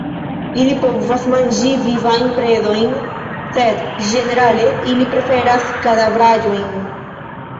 Ili povas manĝi vivajn predojn sed ĝenerale ili preferas kadavraĵojn.